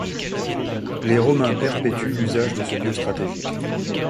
Les Romains perpétuent l'usage de ce lieu stratégique.